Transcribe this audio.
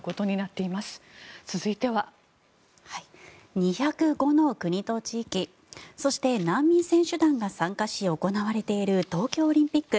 ２０５の国と地域そして、難民選手団が参加し行われている東京オリンピック。